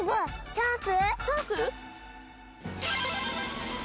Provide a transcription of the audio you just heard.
チャンス？